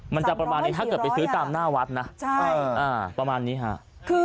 มันจะประมาณนี้ถ้าเกิดไปซื้อตามหน้าวัดนะประมาณนี้ฮะ